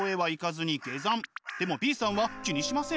でもＢさんは気にしません。